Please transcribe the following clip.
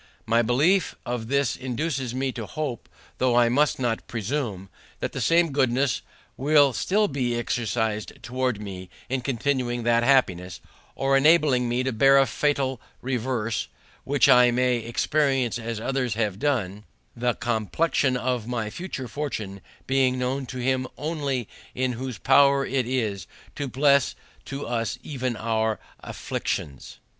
My belief of this induces me to hope, though I must not presume, that the same goodness will still be exercised toward me, in continuing that happiness, or enabling me to bear a fatal reverse, which I may experience as others have done; the complexion of my future fortune being known to Him only in whose power it is to bless to us even our afflictions.